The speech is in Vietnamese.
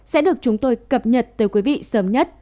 sẽ được chúng tôi cập nhật tới quý vị sớm nhất